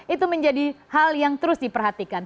itu menjadi hal yang terus diperhatikan